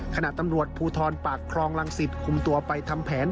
ขณะตำรวจภูทรปากครองรังสิตคุมตัวไปทำแผน